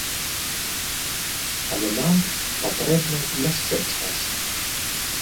Але нам патрэбны яшчэ час.